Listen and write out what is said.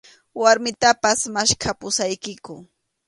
Warmitapas maskhapusaykiku.